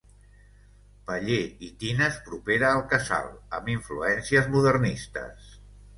Paller i tines propera al casal, amb influències modernistes.